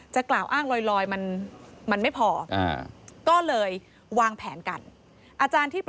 จะกล่าวอ้างลอยมันไม่พอ